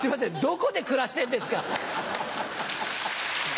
どこで暮らしてんですか？